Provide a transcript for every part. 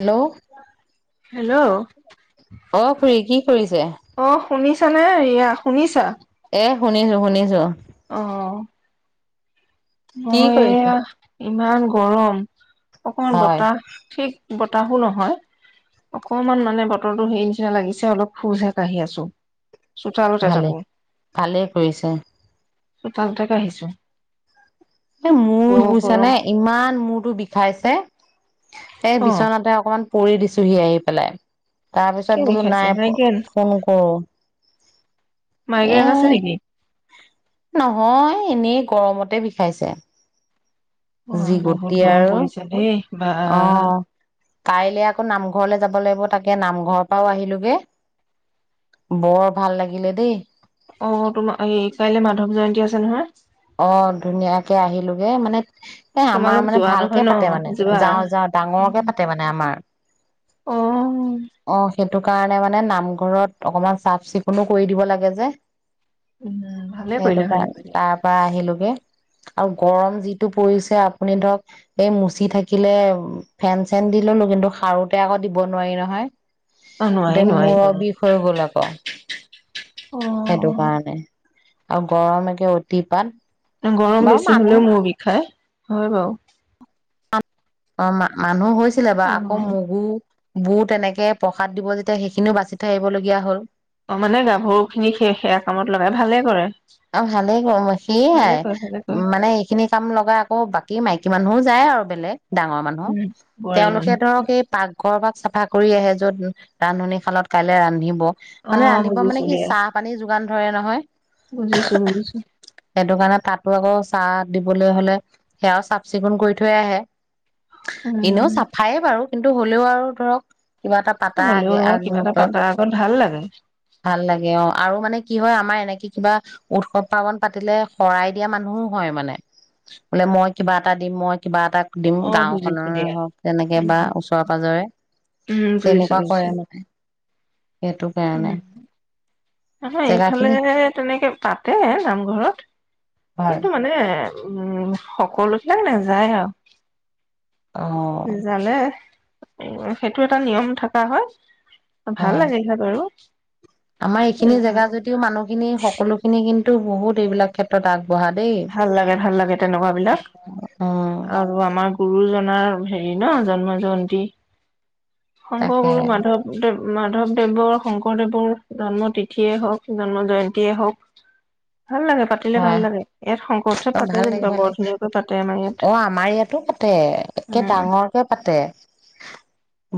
Hello hello অ খুুৰী কি কৰিছে শুনিছা নে ৰিয়া শুনিছা। এ শুনিছোঁ শুনিছোঁ। অ' কি মই কৰিছে এয়া ইমান গৰম অকমান হয় বতাহ ঠিক বতা বতাহো নহয় অকমান মানে বতৰটো সেৰি নিচিনা লাগিছে অলপ খোজেহে কাঢ়ি আছো চোতালতে ভালে তাকো ভালেই কৰিছা। চোতালতে আহিছো এ মোৰ বুজিছা নে ইমান মূৰটো বিষাই খাইছে। এই অ বিচনাতে অকনমান পৰি দিছোহি আহি পেলাই তাৰপিছত কিয় বোলো বিষাইছে নাই মাইগ্ৰেন ফোন কৰো এ মাইগ্ৰেন আছে নেকি নহয় এনে গৰমতে বিষাইছে। অ যি বহুত গুটি গৰম আৰু পৰিছে দেই বা অ', কাইলে আকৌ নাম ঘৰলৈ যাব লাগিব তাকে নামঘৰৰ পৰাও আহিলোগে বৰ ভাল লাগিলে দেই। অ তোমাৰ এই কাইলে মাধৱ জয়ন্তী আছে নহয় অ ধুনীয়াকে আহিলোগে মানে এ আমাৰ তোমালোক মানে যোৱা ভালকে নহয় ন পাতে মানে যোৱা যাওঁ, যাওঁ ডাঙৰকে পাতে মানে আমাৰ অ', সেইটো কাৰণে মানে নামঘৰত অকমান চাফ চিকুণো কৰি দিব লাগে যে উম ভালে সেইটো কৰিলা ভালে কাৰণে কৰিলা তাৰ আৰু গৰম যিটো পৰিছে আপুনি ধৰক এই মুচি থাকিলে ফেন চেন দি ললো কিন্তু সাৰোতে আকৌ দিব নোৱাৰি নহয় অ নোৱাৰি একদম নোৱাৰি মূৰ অ বিষ হৈ গ'ল আক অ সেইটো কাৰণে। আৰু গৰম একে দিপান ন গৰম বেছি হলেও মূৰ বিষাই হয় বাও। অ', ম মানুহ হৈ আছিলে বা অ আকৌ মগু বোৰ তেনেকে প্ৰসাদ দিব যেতিয়া সেইখিনিও বাচি থৈ আহিবলগীয়া হ'ল। অ মানে গাভৰু খিনি সেই সেয়া কামত লগাই ভালে কৰে অ', ভালেই ভালে সেইয়াই কৰে ভালে কৰে মানে এইখিনি কাম লগাই আকৌ বাকী মাইকী কিমানুহো যায় আৰু বেলেগ। ডাঙৰ মানুহৰ উম বোৱাৰী তেওঁলোকে মানুহ ধৰক এই পাকঘৰ বা চাফা কৰি আহে য'ত ৰান্ধনিৰ ফালত কাইলৈ ৰান্ধিব। অ মানে ৰান্ধিব মানে কি চাহ পানী যোগান ধৰে নহয় বুজিছোঁ, বুজিছোঁ। সেইটো কাৰণে তাতো আকৌ চাহ দিবলৈ হলে সেয়াও চাফ চিকুণ কৰি থৈ আহে এনেও উম চাফায়ে বাৰু কিন্তু হ'লেও আৰু ধৰক কিবা এটা পাতা হ'লেও আগে আৰু কিবা এটা পাতাৰ আগমূহুৰ্তত আগত ভাল লাগে ভাল লাগে অ আৰু মানে কি হয় আমাৰ এনেকে কিবা উৎসৱ পাৰ্বণ পাতিলে শৰাই দিয়া মানুহো হয় মানে, বোলে মই কিবা এটা দিম, মই কিবা এটা দিম অ বুজিছো গাওঁখনেৰে দিয়া হওক তেনেকে বা ওচৰে পাজৰে উম তেনেকুৱা কৰে মানে সেইটো উ। কাৰণে আহে, জেগা খিনি এইফালে তেনেকে পাত তে নামঘৰত, ভাল কিন্তু মানে উম, সকলো‌ [unintelligible] নেযায় আৰু অ জানে। উ, সেইটো এটা নিয়ম থকা হয় ভাল লাগিল হয় বাৰু আমাৰ এইখিনি জেগা যদিও মানুহখিনি, সকলোখিনি কিন তু‌ বহুত এইবিলাক ক্ষেত্ৰত আগ ভাল লাগে, ভাল লাগে তেনেকুৱা বিলাক, উম আৰু আমাৰ গুৰুজন নাৰ হেৰি ন, জন্ম জয়ন্তী শংকৰ তাকে গুৰু মাধৱদেৱ মাধৱদেৱৰ, শংকৰদেৱৰ জন্ম তিথিয়ে হওক, জন্ম জয়ন্তেই হওক ভাল লাগে, পাতিলে ভাল লাগে। শংকৰ উৎসৱ অ', পাতে ভাল লাগে, যেনিবা ভাল বৰ লাগে। ধুনীয়াকৈ পাতে আমাৰ ইয়াত অ', আমাৰ ইয়াতো পাতে, একে উম ডাঙৰকে পাতে।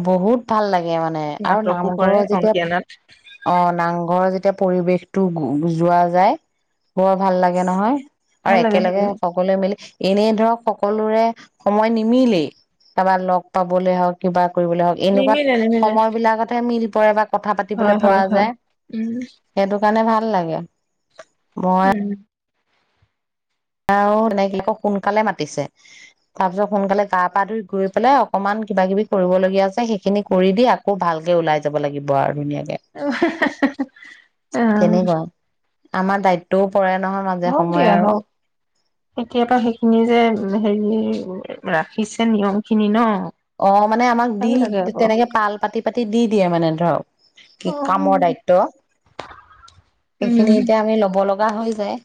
বহুত ভাল লাগে। মানে আৰু নাটকো কৰে নামঘৰৰ যেতিয়া, অংকীয়া নাট অ', নামঘৰ যেতিয়া পৰিৱেশটো যোৱা যায়। বৰ ভাল লাগে নহয় আৰু ভাল লাগে ভাল একেলগে লাগে সকলোৱে মিলি এনেই ধৰক সকলোৰে সময় নিমিলেই, তাবা লগ পাবলে হওক কিবা কৰিবলে হওক, এনেকুৱাত নিমিলে নিমিলে সময় বিলাকতহে মিল [unintelligible] কথা হয় পাতিবলৈ হয় পৰা হয় যায়, উম সেইটো কাৰণে ভাল। [unintelligible] লাগে। মই উম। আৰু [unintelligible] সোনকালে মাতিছে, তাৰ পিছত সোনকালে গা পা ধুই গৈ পেলাই অকমান কিবা কিবি কৰিবলগীয়া আছে, সেইখিনি কৰি দি আকৌ ভালকে ওলাই যাব লাগিব আৰু। ধুনীয়াকে তেনেকুৱা অ'। আমাৰ দায়িত্ব পৰে নহয় মাজে সময়ে আৰু। কেতিয়াবা সেইখিনি যে হেৰি, ৰাখিছে নিয়ম খিনি ন। অ', মানে আমাক ভাল দি লাগে আকৌ তেনেকে পাল পাতি পাতি দি দিয়ে মানে ধৰক, কি উম কামৰ দায়িত্ব। সেইখিনি এতিয়া আমি লব লগ [unintelligible] হৈ যায়।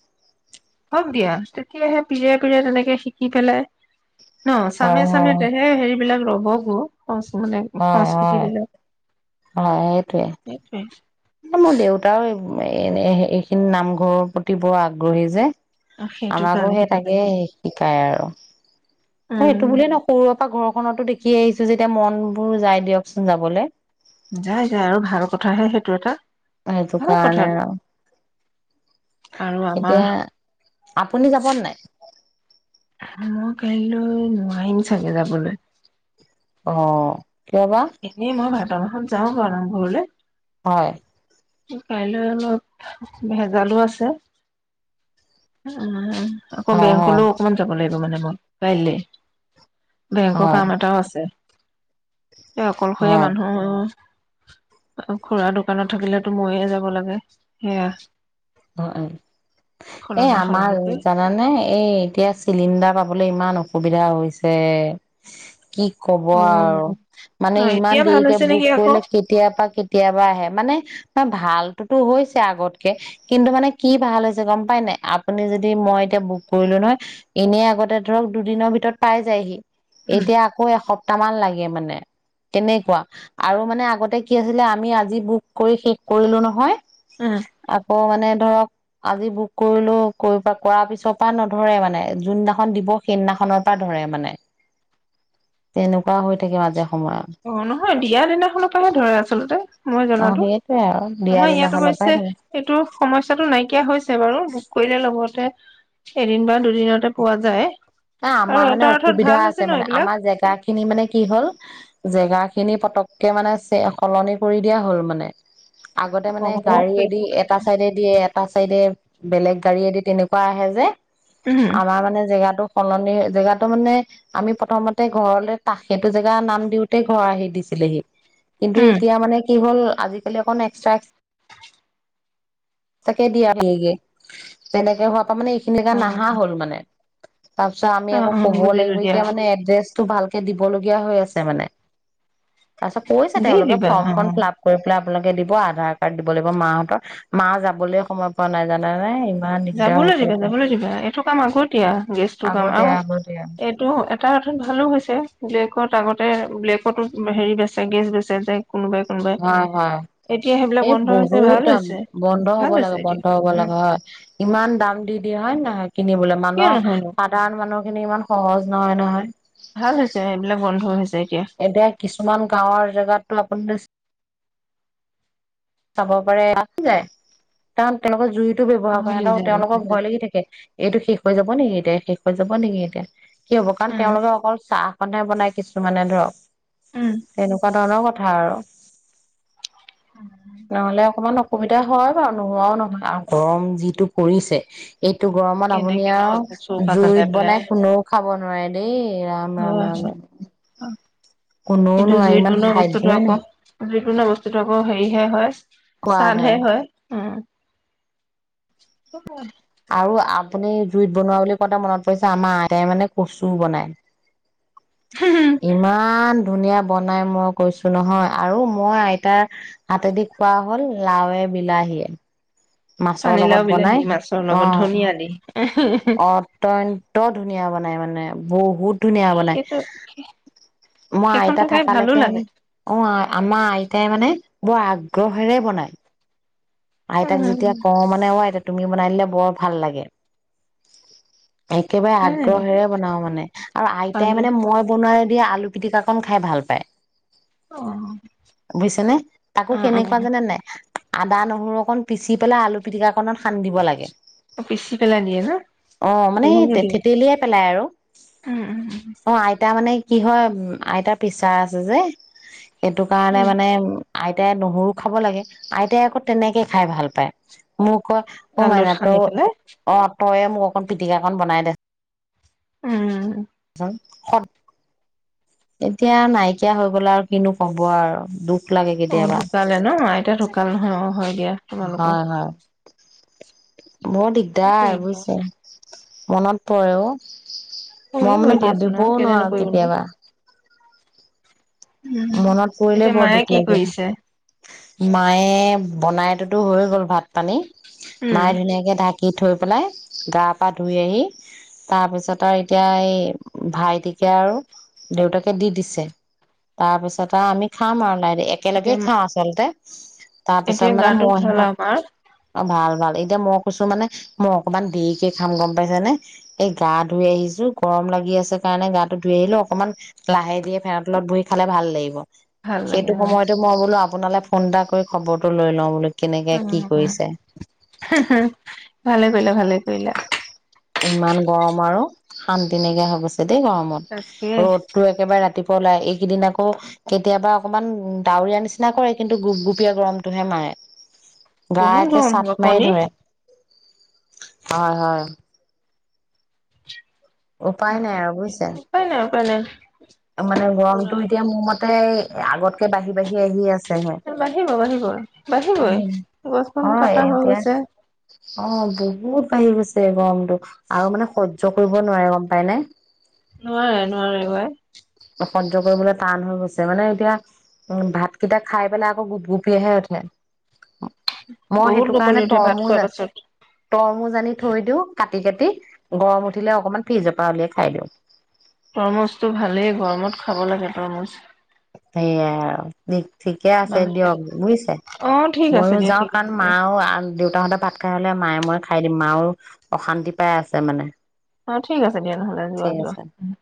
হওক দিয়া, তেতিয়াহে পিৰিয়ে পিৰিয়ে তেনেকে শিকি পেলাই ন, হয় চামে চামে হয় তেহে হেৰিবিলাক [unintelligible] [unintelligible] মানে হয় হয় সংস্কৃতিবিলাক, হয় সেইটোয়ে সেইটোৱে মোৰ দেউতাও, [unintelligible] এইখিনি নামঘৰৰ প্ৰতি বৰ আগ্ৰহী যে সেইটো আমাকো কাৰণে সেই সেইটো তাকে কাৰণে শিকাই আৰু। উম সেইটো বুলিয়েই ন সৰুৰে পৰা ঘৰখনতো সি আহিছে যেতিয়া, মন বোৰ যায় দিয়কচোন যাবলৈ। যায় যায় আৰু ভাল কথাহে সেইটো এটা। এইটো ভাল কথা কাৰণে আওঁ আৰু আমাৰ এতিয়া, আপুনি যাবনে নাই? মই কাইলৈ নোৱাৰিম চাগে যাবলৈ। অ'। কিয় বা এনে মই ভাদ মাহত যাওঁ বাৰু নামঘৰলে। হয়। কাইলৈ অলপ ভেজালো আছে। উহ। আকৌ হয় হয় বেংকলেও অকমান যাব লাগিব। মানে ম, কাইলে বেংকৰ হয় কাম এটাও আছে। এই অকলশৰীয়া হয় মানুহ অ', খুৰা দোকানত থাকিলে মইয়ে যাব লাগে। সেয়া হয়। এই সলনা আমাৰ সলনি কৰি জানানে, এই এতিয়া চিলিণ্ডাৰ পাবলৈ ইমান অসু অসুবিধা হৈছে। কি ক'ব অ আৰু ন মানে ইমান এতিয়া ভাল দেৰিকে হৈছে বুক নেকি আকৌ কৰিলে কেতিয়াপা কেতিয়াবা আহে মানে ভালটোতো হৈছে আগতকে কিন্তু মানে কি ভাল হৈছে গম পাই নাই, আপুনি যদি মই এতিয়া বুক কৰিলো নহয়, এনেই আগতে ধৰক দুদিনৰ ভিতৰত পাই যায়হি উম এতিয়া আকৌ এসপ টামান লাগে মানে, তেনেকুৱা আৰু মানে আগতে কি আছিলে আমি আজি বুক কৰি শেষ কৰিলো নহয় উম। আকৌ মানে ধৰক আজি বুক কৰিলো, কৰা পিছৰ পৰা নধৰে মানে যোনদিনাখন দিব সেইদিনাখনৰ পৰা ধৰে মানে, তেনেকুৱা হৈ থাকে মাজে সময়ে অ', নহয় বিয়াৰ দিনাখনৰ পৰাহে ধৰে আচলতে, মই অ জনাতো, সেইটোয়ে আৰু দিয়া আমাৰ ইয়াত দিনাখনৰ পৰাই অৱশ্যে ধৰে এইটো সমস্যাটো নাইকিয়া হৈছে বাৰু বুক কৰিলে লগতে এদিন বা দুদিনতে পোৱা যায়। ন আৰু আমাৰ মানে এটা অৰ্থত অসুবিধা ভাল হৈছে আছে ন মানে এইবিলাক আমাৰ জেগা খিনি মানে কি হ'ল জেগা খিনি পতককে মানে সলনি কৰি দিয়া হল মানে আগতে অ মানে গাড়ীয়েদি সেইটো কাৰণে এটা চাইডে দিয়ে এটা চাইডে বেলেগ গাড়ীয়েেদি তেনেকোৱা কোৱা আহে যে উম আমাৰ মানে জেগাটো কলনি জেগাটো মানে আমি প্ৰথমতে ঘৰলে ত সেইটো জেগা নাম দিওতেই ঘৰ আহি দিছিলেহি কিন্তু উম এতিয়া মানে কি হ'ল আজিকালি অকন [unintelligible] যেনেকে হ আকৌ মানে এইখিনিলেকে অ নাহা হ'ল মানে তাৰপিছত আমি অ আকৌ অ ক'ব বুজিলো লাগিব, দিয়া এতিয়া মানে এড্ৰেছ তটো ভালকে দিবলগীয়া হৈ আছে মানে তাৰপিছত কৈছে দি তেওঁলোকে দিবা অ ফৰ্মখন ফিল আপ কৰি পেলাই আপোনালোকে দিব আধাৰ কাৰ্ড দিব লাগিব মাহঁতৰ মা যাবলৈ সময় পোৱা নাই জানা নে যাবলৈ দিবা যাবলৈ দিবা এইটো কাম আগতিয়া গেছ কাম আও আগতীয়া আগতীয়া এইটো এটা অৰ্থত ভালো হৈছে ব্লেকত আগতে ব্লেকতো হেৰি বেচে গেছ বেচে যে কোনোবাই কোনোবাই হয় হয় এতিয়া সেইবিলাক এই বন্ধ হৈছে ভাল বহুত হৈছে বন্ধ হ'ব ভাল হৈছে লাগে এতিয়া বন্ধ হব উম লাগে হয় ইমান দাম দি দিয়ে হয় নে নহয় কিনিবলৈ কিয় মানুহৰ, নহয়নো সাধাৰণ মানুহ খিনি ইমান সহজ নহয় নহয়। ভাল হৈছে এইবিলাক বন্ধ হৈছে এতিয়া কিছুমান গাঁৱৰ জেগাতটো [unintelligible] চাব পাৰে আছে যায় কাৰণ তেওঁলোকৰ জুই [unintelligible] ব্যৱহাৰ বহুত কৰে দিন ন', যায় বহুত দিন তেওঁলোকৰ যায় ভয় লাগি থাকে, এইটো সে হৈ যাব নেকি এতিয়া, শেষ হৈ যাব নেকি এতিয়া কি হ'ব কাৰণ উম তেওঁলোকে অকল চাহ [unintelligible] বনাই কিছু মানে ধৰক। উম চিচ তেনেকোৱা ধৰণৰ কথা [unintelligible] আৰু। নহ'লে অকমান অসুবিধা হয় বাৰু নোহোৱাও নহয় আৰু গৰম যিটো পৰিছে এইটো গৰমত আপুনি কেনেকেনো আও চৌকা জুইত জ্বলাই পেলাই বনাই হয় কোনেও খাব নোৱাৰে দেই ৰাম, ৰাম, হয় ৰাম, ৰাম। হয়। কোনোও কিন্তু নোৱাৰি ইমান সাধ্যয়েই নাই। [unintelligible] বস্তুত আকৌ হেৰিহে হয়। চানহে হয়। উম। আৰু আপুনি জুইত বনোৱা বুলি কওঁতে মনত পৰিছে আমাৰ আইতাই মানে কচু বনায় ইমান ধুনীয়া বনাই মই কৈছো নহয় আৰু মই আইতাৰ হাতেদি খোৱা হ'ল লাওে বিলাহীয়ে। মাছৰ লগত পানীলাও বনাই বিলাহী মাছৰ অ লগত ধনিয়া দি অত্যন্ত ধুনীয়া বনাই মানে বহুত। বহুত ধুনীয়া বনাই সেইটো মই সেইখন আইতা তৰকাৰী ভালো থাকালৈকে মানে, লাগে অ' আমাৰ আইতাই মানে বৰ আগ্ৰহেৰে বনায় আইতাক যেতিয়া কওঁ মানে অ আইতা তুমি বনাই দিলে বৰ ভাল লাগে একেবাৰে নাই নাই আগ্ৰহেৰে বনাও মানে আৰু আইতাই পানী মানে মই বনাই দিয়া আলু পিটিকাাকন খাই ভাল পায় অ বুজিছে নে, তাকো অ কেনেকুৱা যানে নাই। [unintelligible] নহৰু অকণ পিচি পেলাই আলু পিটিকা কণত সানি দিব লাগে। অ পিচি পেলাই দিয়ে ন অ মানে নহৰু দিয়ে থেতিলিয়াই পেলাই আৰু উম, উম, উম। অ আইতা মানে কি হয় আইতাৰ পিছাৰ আছে যে এইটো কাৰণে উম মানে আইতাই নহৰু খাব লাগে, আইতাই আকৌ তেনেকে খাই ভাল পায় মোক কয় অ' আলুত মাইনা টো সানি পেলাই অ' তয়ে ম অকণ পিটিকা অকণ বনাই দে উম। এতিয়া নাইকিয়া হৈ গলে আৰু কিনো কব আৰু দুখ। লাগে অ কেতিয়াবা ঢুকালে ন আইতা ঢুকাল নহয় অ হয় দিয়া তোমালোকৰ হয় হয় বৰ কি দিগদাৰ কৰিবা বুজিছা মনত পৰেও। মই কৰিবই মানে দিয়াচোন আৰু ভাবিবও কেলে নোৱাৰো নকৰিবনো কেতিয়াবা উম মনত পৰিলে এতিয়া বৰ মায়ে দুখ কি লাগে। কৰিছে মায়ে বনাইটোোতো হৈ গ'ল ভাত পানী উম মায়ে ধুনীয়াকে ঢাক কি থৈ পেলাই গা পা ধুই আহি তাৰপিছত আৰু এতিয়া এই ভাইটিকে আৰু দেউতাকে দি দিছে তাৰপিছত আৰু আমি খাম আৰু নাই এতিয়া একেলগে খাওঁ আচলতে। [inaudible] এতিয়া মানে গাটো মই ভাল সিহঁত আৰু মা'ৰ। অ', ভাল, ভাল এতিয়া মই কৈছো মানে মই অকমান দেৰিকে খাম গম পাইছ নে, এই গা ধুই আহিছো গৰম লাগি আছে কাৰণে গা টো ধুই আহিলো অকমান লাহে ধিয়ে ফেনৰ তলত বহি। খালে ভাল লাগিব ভাল সেইটো লাগে সময়তো মই বোলো আ আপোনালে ফোন এটা কৰি খবৰটো লৈ লওঁ বুলি। কেনেকে কি কৰিছে? অ ভালে কৰিলা ভালে কৰিলা ইমান গৰম আৰু শান্তি নাইকিয়া হৈ গৈছে। তেেই গৰমত তাকে ৰ'দতটোো একেবাৰে ৰাতিুৱ পলাই, এইকেইদিন আকৌ কেতিয়াবা অকমান ডাৱৰীয়া নিচিনা কৰে কিন্তু গুপগুপীয়া গৰমটোহে মাৰে। গা বহুত একে গৰম চাট হ'ব মাৰি কণী ধৰে হয়, হয়। উপায় নাই আৰু বুজিছে পনে পনে মানে গৰমতটো এতিয়া মোৰ মতে আগতকে বাঢ়ি বাঢ়ি আহি আছেহে বাঢ়িব বাঢ়িব বাঢ়িবই আহিম গছখন অ কটা হৈ এতিয়া গৈছে অ বহুত বাঢ়ি গৈছে গৰমটো আৰু মানে সহ্য কৰিব নোৱাৰে গম পাই নে। নোৱাৰে নোৱাৰে অ' আই। সহ্য কৰিবলৈ টান হৈ গৈছে। মানে এতিয়া উ' ভাতকিটা খাই পেলাই আকৌ গুপগুপীয়াহে উঠে। মই বহুত সেইটো কাৰণে গপনি উঠে ভাত তৰমুজ খোৱাৰ পাছত তৰমুজ আানি থৈ দিওঁ ক কাটি, কাটি গৰম উঠিলে অকণমান ফ্ৰিজৰ পৰা উলিয়াই খাই দিওঁ। তৰমুজটো ভালেই গৰমত খাব লাগে তৰমুজ সেইয়াই আৰু দেই ঠিকে আছে মানে দিয়ক বুজিছে অ ঠিক আছে মইো দিয়া যাওঁ ঠিক কাৰণ আছে দিয়া মাও দেউতাহঁতে ভাত খাই হলে মায়ে মই খাই দিম মাও অশান্তি পাই আছে মানে অ', ঠিক আছে দিয়া নহ'লে যোৱা, ঠিক যোৱা আছে উ'।